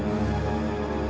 aku mau kita sekedar balik